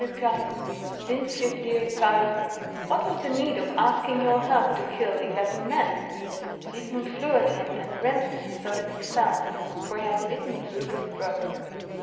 ' Sinfjotli replied, ' What was the need of asking your help to kill eleven men ?'" Sigmund flew at him and rent him so that he fell, for he had bitten through his throat.